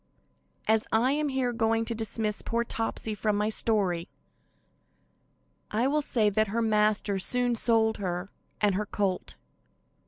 As I am here going to dismiss poor Topsy from my story, I will say that her master soon sold her and her colt.